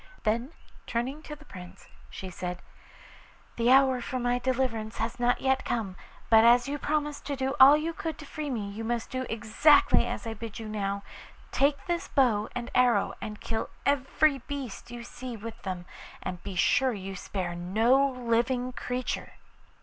Then turning to the Prince she said, 'The hour for my deliverance has not yet come, but as you promised to do all you could to free me, you must do exactly as I bid you now. Take this bow and arrow and kill every beast you see with them, and be sure you spare no living creature.